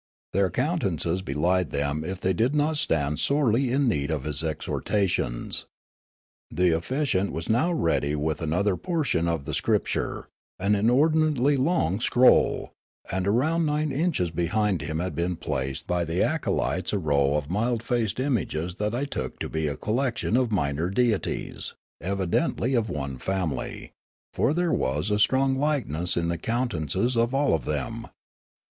Their countenances belied them if they did not stand sorely in need of his exhortations. The officiant was now ready with another portion of script ure, an inordinately long scroll; and around in niches behind him had been placed by the acolytes a row of mild faced images that I took to be a collection of minor deities, evidently of one family ; for there was a strong likeness in the countenances of all of them.